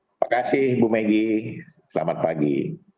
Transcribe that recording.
terima kasih bu megi selamat pagi